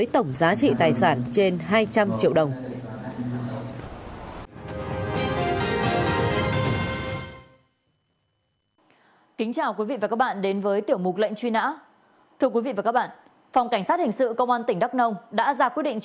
tổng giá trị tài sản trên hai trăm linh triệu đồng